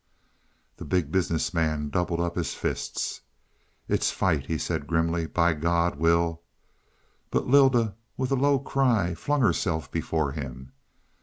The Big Business Man doubled up his fists. "It's fight," he said grimly. "By God! we'll " but Lylda, with a low cry, flung herself before him.